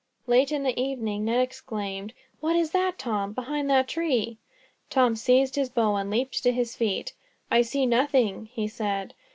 Late in the evening Ned exclaimed, "What is that, Tom, behind that tree?" Tom seized his bow, and leaped to his feet. "I see nothing," he said.